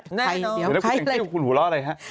เดี๋ยวคุณแองจี้คุณหัวเราะอะไรครับ